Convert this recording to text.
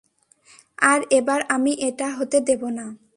আর এবার আমি এটা হতে দেব না।